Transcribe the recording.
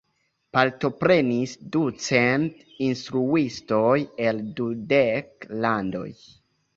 Partoprenis ducent instruistoj el dudek landoj.